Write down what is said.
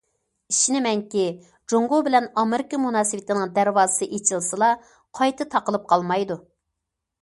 ئىشىنىمەنكى، جۇڭگو بىلەن ئامېرىكا مۇناسىۋىتىنىڭ دەرۋازىسى ئېچىلسىلا قايتا تاقىلىپ قالمايدۇ.